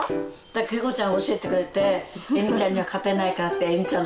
恵子ちゃん教えてくれてエミちゃんには勝てないからってエミちゃん